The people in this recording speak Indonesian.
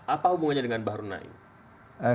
apa hubungannya dengan baharuna ini